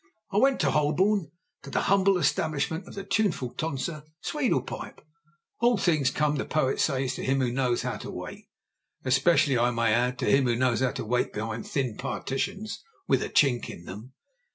I went to Holborn, to the humble establishment of the tuneful tonsor, Sweedle pipe. All things come, the poet says, to him who knows how to wait—especially, I may add, to him who knows how to wait behind thin partitions with a chink in them.